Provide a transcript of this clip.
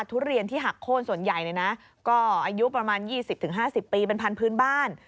ทุเรียนที่หักโค้นส่วนใหญ่ก็อายุประมาณ๒๐๕๐ปีเป็นพันธุ์พื้นบ้าน